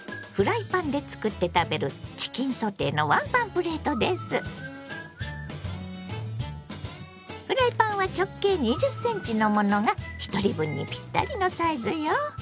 フライパンで作って食べるフライパンは直径２０ｃｍのものがひとり分にぴったりのサイズよ。